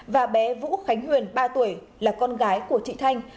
và bé vũ khánh huyền ba tuổi là con gái của chị thanh